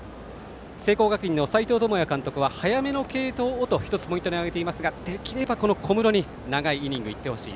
聖光学院の斎藤智也監督は早めの継投をと１つポイントに挙げていますがこの小室に長いイニング行ってほしい。